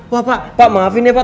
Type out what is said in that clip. wah pak pak maafin ya pak